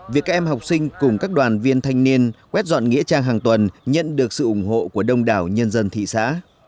việc các em học sinh cùng các đoàn viên thanh niên quét dọn nghĩa trang hàng tuần nhận được sự ủng hộ của đông đảo nhân dân thị xã